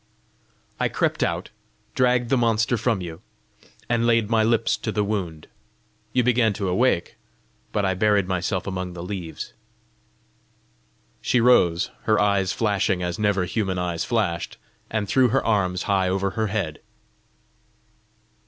I crept out, dragged the monster from you, and laid my lips to the wound. You began to wake; I buried myself among the leaves." She rose, her eyes flashing as never human eyes flashed, and threw her arms high over her head.